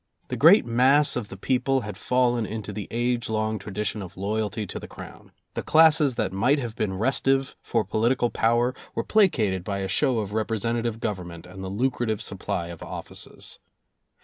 The great mass of the people had fallen into the age long tradition of loyalty to the crown. The classes that might have been restive for political power were placated by a show of representative government and the lucra tive supply of offices.